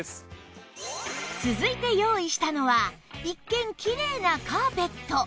続いて用意したのは一見きれいなカーペット